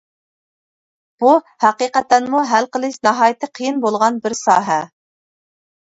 بۇ ھەقىقەتەنمۇ ھەل قىلىش ناھايىتى قىيىن بولغان بىر ساھە.